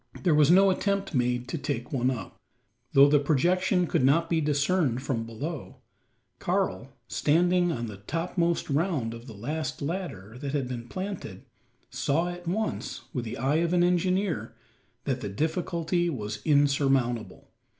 There was no attempt made to take one up. Though the projection could not be discerned from below, Karl, standing on the topmost round of the last ladder that had been planted, saw at once, with the eye of an engineer, that the difficulty was insurmountable.